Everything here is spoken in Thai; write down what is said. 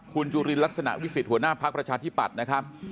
คุณจุลินลักษณะวิสิทธิหัวหน้าภักดิ์ประชาธิปัตย์นะครับ